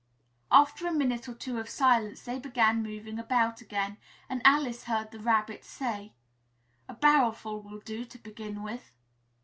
After a minute or two of silence, they began moving about again, and Alice heard the Rabbit say, "A barrowful will do, to begin with."